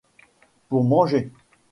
Pour manger !